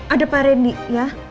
ada pak randy ya